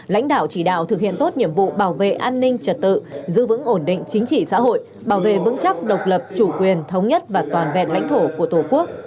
lãnh đạo chỉ đạo thực hiện tốt nhiệm vụ bảo vệ an ninh trật tự giữ vững ổn định chính trị xã hội bảo vệ vững chắc độc lập chủ quyền thống nhất và toàn vẹn lãnh thổ của tổ quốc